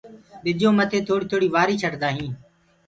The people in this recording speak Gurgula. ٻجو مٿي ٿوڙي ٿوڙي وآري ڇٽدآ هين